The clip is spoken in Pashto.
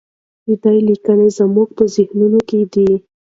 د ده لیکنې زموږ په ذهنونو کې دي.